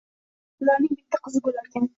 Ularning bitta qizi boʻlarkan